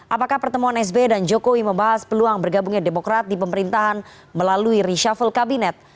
apakah pertemuan sb dan jokowi membahas peluang bergabungnya demokrat di pemerintahan melalui reshuffle kabinet